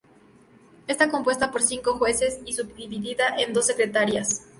Está compuesta por cinco jueces y subdividida en dos Secretarías.